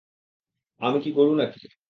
আমি কি গরু নাকি!